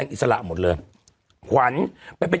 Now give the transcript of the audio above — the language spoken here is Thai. นี่แต่ไปดูว่าคุณเอกขวัญกลับช่องเจ็ด